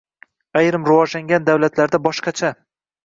Ayrim rivojlangan davlatlarda boshqacha